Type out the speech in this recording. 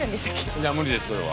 いや無理ですそれは。